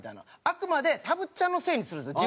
あくまでたぶっちゃんのせいにするんですよ。